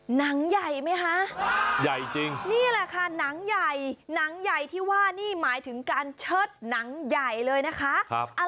หนังใหญ่ไหมคะใหญ่จริงนี่แหละค่ะหนังใหญ่หนังใหญ่ที่ว่านี่หมายถึงการเชิดหนังใหญ่เลยนะคะ